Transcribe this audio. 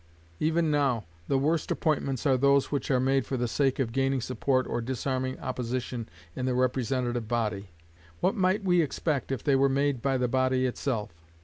Even now, the worst appointments are those which are made for the sake of gaining support or disarming opposition in the representative body; what might we expect if they were made by the body itself?